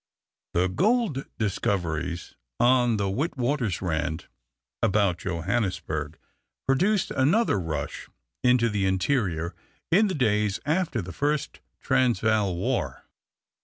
The gold discoveries on the Witwatersrand about Johannesburg produced another rush into the interior in the days after the first Transvaal war.